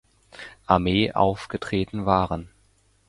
Armee aufgetreten waren.